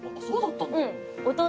そうだったんだ。